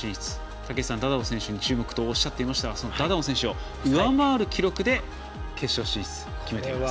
武井さん、ダダオン選手に注目とおっしゃっていましたがダダオン選手を上回る記録で決勝進出です。